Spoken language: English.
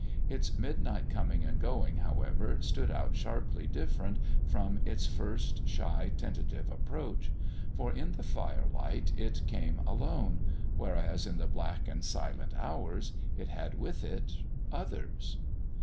Its midnight coming and going, however, stood out sharply different from its first shy, tentative approach. For in the firelight it came alone; whereas in the black and silent hours, it had with it others.